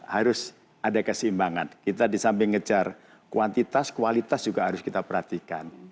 harus ada keseimbangan kita di samping ngejar kuantitas kualitas juga harus kita perhatikan